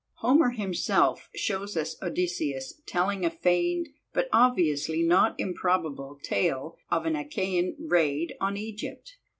Homer himself shows us Odysseus telling a feigned, but obviously not improbable, tale of an Achaean raid on Egypt.